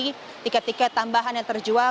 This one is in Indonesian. tidak lagi tiket tiket tambahan yang terjual